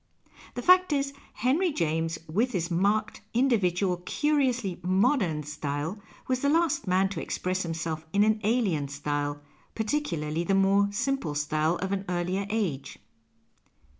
The fact is, Henry James, with his marked, individual, curiously " modern '' style, was the last man to express himself in an alien style, particularly the more simple style of an earlier age.